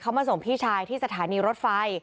เขามาส่งพี่ชายที่สถานีรถไฟ